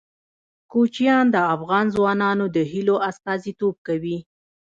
کوچیان د افغان ځوانانو د هیلو استازیتوب کوي.